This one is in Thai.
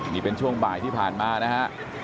นี่เป็นช่วงบ่ายที่ผ่านมานะฮะ